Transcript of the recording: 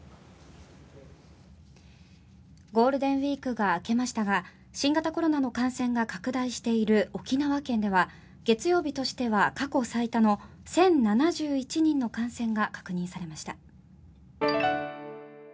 ゴールデンウィークが明けましたが新型コロナの感染が拡大している沖縄県では月曜日としては過去最多の１０７１人の感染が確認されました。